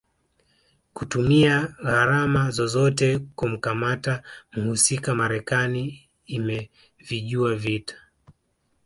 kutumia gharama zozote kumkamata mhusika Marekani imevijua vita